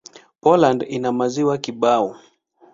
Poland ina maziwa kibao.